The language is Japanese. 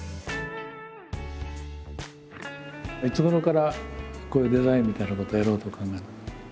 いつごろからこういうデザインみたいなことをやろうと考えた？